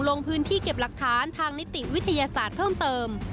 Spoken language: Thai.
ลงพื้นที่เก็บหลักฐานทางนิติวิทยาศาสตร์เพิ่มเติม